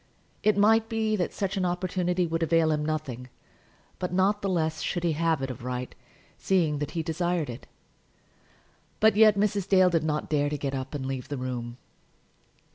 It might be that such opportunity would avail him nothing, but not the less should he have it of right, seeing that he desired it. But yet Mrs. Dale did not dare to get up and leave the room.